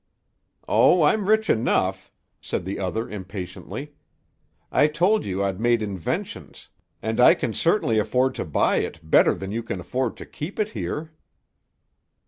"Oh, I'm rich enough," said the other impatiently. "I told you I'd made inventions. And I can certainly afford to buy it better than you can afford to keep it here."